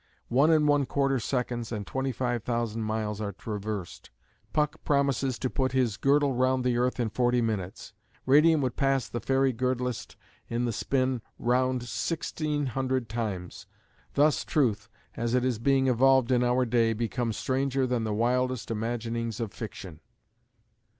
One and one quarter seconds, and twenty five thousand miles are traversed. Puck promises to put his "girdle round the earth in forty minutes." Radium would pass the fairy girdlist in the spin round sixteen hundred times. Thus truth, as it is being evolved in our day, becomes stranger than the wildest imaginings of fiction.